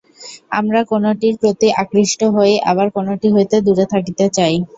আমরা কোনটির প্রতি আকৃষ্ট হই, আবার কোনটি হইতে দূরে থাকিতে চাই।